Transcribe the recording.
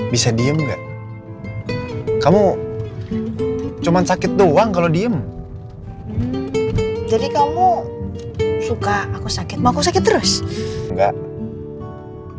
bisa diem enggak kamu cuman sakit doang kalau diem jadi kamu suka aku sakit mau aku sakit terus enggak